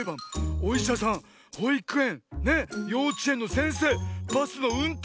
おいしゃさんほいくえんようちえんのせんせいバスのうんてん